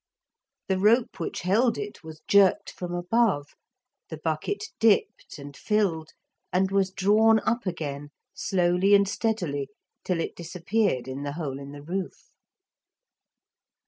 The rope which held it was jerked from above; the bucket dipped and filled and was drawn up again slowly and steadily till it disappeared in the hole in the roof.